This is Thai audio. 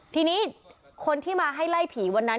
ทีนี้คนที่มาให้ไล่ผีวันนั้น